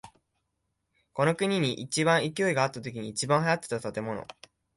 この国に一番勢いがあったときに一番流行っていた建物。